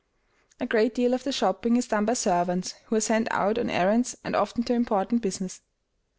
A great deal of the shopping is done by servants, who are sent out on errands and often do important business.